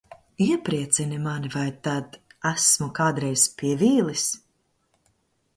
Iepriecini mani Vai tad esmu kādreiz pievīlis?